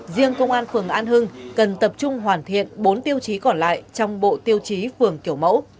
riêng công an phường an hưng cần tập trung hoàn thiện bốn tiêu chí còn lại trong bộ tiêu chí phường kiểu mẫu